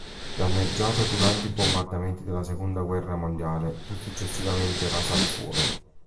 Danneggiato durante i bombardamenti della seconda guerra mondiale, fu successivamente raso al suolo.